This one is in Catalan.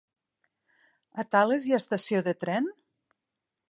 A Tales hi ha estació de tren?